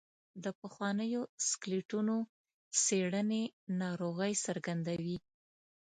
د پخوانیو سکلیټونو څېړنې ناروغۍ څرګندوي.